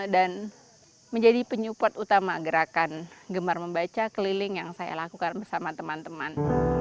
dan menjadi penyupot utama gerakan gemar membaca keliling yang saya lakukan bersama teman teman